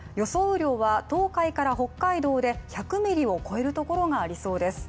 雨量は東海から北海道で１００ミリを超えるところがありそうです。